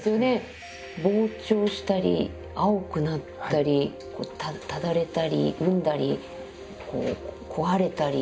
膨張したり青くなったり爛れたり膿んだり壊れたり。